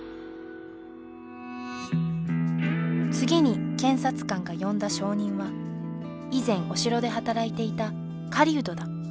次に検察官が呼んだ証人は以前お城で働いていた狩人だ。